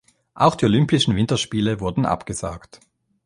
Auch die Olympischen Winterspiele wurden abgesagt.